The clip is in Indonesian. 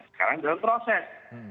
sekarang dalam proses